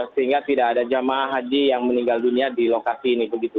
sehingga tidak ada jamaah haji yang meninggal dunia di lokasi ini